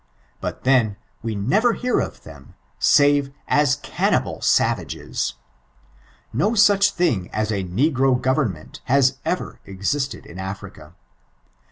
Bu^ then, we never hear of them, aave as cannibal aavagea. No auch thing aa a negro government has ever existed in Africa.